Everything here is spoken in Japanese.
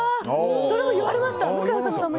それも言われました！